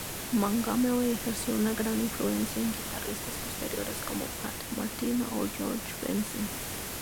Montgomery ejerció una gran influencia en guitarristas posteriores, como Pat Martino o George Benson.